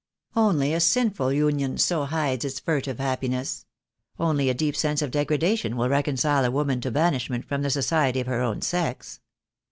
Only a sinful union so hides its furtive happiness — only a deep sense of degradation will reconcile a woman to banishment from the society of her own sex.